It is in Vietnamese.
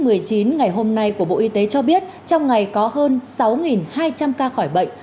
bản tin dịch covid một mươi chín ngày hôm nay của bộ y tế cho biết trong ngày có hơn sáu hai trăm linh ca khỏi bệnh